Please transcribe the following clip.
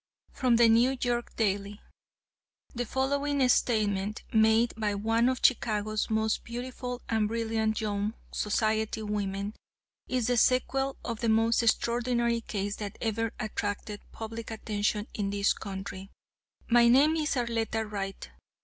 '" FROM THE NEW YORK DAILY. "The following statement, made by one of Chicago's most beautiful and brilliant young society women, is the sequel to the most extraordinary case that ever attracted public attention in this country: "'My name is Arletta Wright.